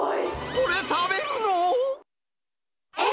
これ食べるの？